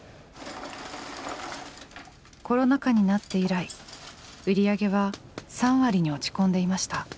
コロナ禍になって以来売り上げは３割に落ち込んでいました。